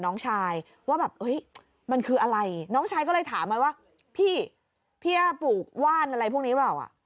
น้องชายว่าแบบมันคืออะไรน้องชายก็เลยถามมาว่าพี่พี่พี่พูกว่านอะไรพวกนี้หรือเปล่า